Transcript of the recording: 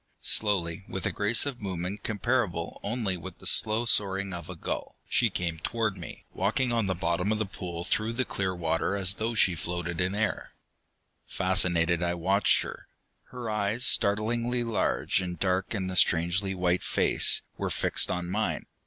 Slowly, with a grace of movement comparable only with the slow soaring of a gull, she came toward me, walking on the bottom of the pool through the clear water as though she floated in air. Fascinated, I watched her. Her eyes, startlingly large and dark in the strangely white face, were fixed on mine.